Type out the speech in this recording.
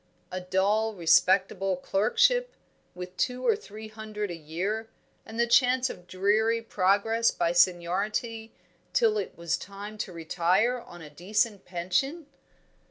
A dull, respectable clerkship, with two or three hundred a year, and the chance of dreary progress by seniority till it was time to retire on a decent pension?